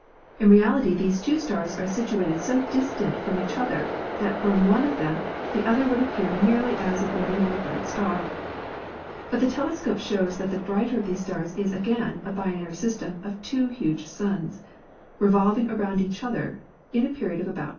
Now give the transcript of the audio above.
In reality these two stars are situated so distant from each other that from one of them the other would appear merely as an ordinary bright star. But the telescope shows that the brighter of these stars is again a binary system of two huge suns, revolving around each other in a period of about 20 days.